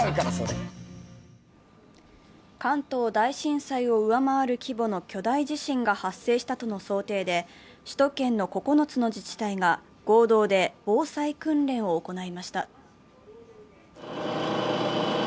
関東大震災を上回る規模の巨大地震が発生したとの想定で首都圏の９つの自治体が合同で防災訓練を行いました。